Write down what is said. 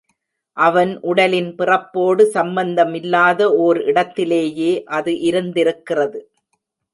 அவன் உடலின் பிறப்போடு சம்பந்தமில்லாத ஓர் இடத்திலேயே அது இருந்திருக்கிறது.